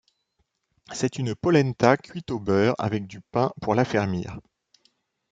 C'est une polenta cuite au beurre avec du pain pour l'affermir.